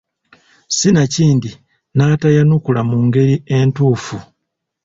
Sinakindi n’atayanukula mu ngeri entuufu.